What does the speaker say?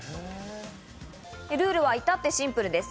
ルールはいたってシンプルです。